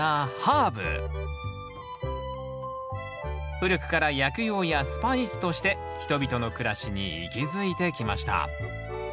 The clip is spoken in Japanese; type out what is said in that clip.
古くから薬用やスパイスとして人々の暮らしに息づいてきました。